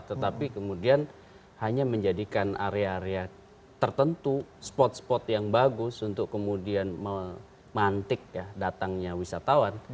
tetapi kemudian hanya menjadikan area area tertentu spot spot yang bagus untuk kemudian memantik ya datangnya wisatawan